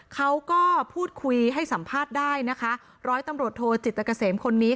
เขาก็พูดคุยให้สัมภาษณ์ได้นะคะร้อยตำรวจโทจิตเกษมคนนี้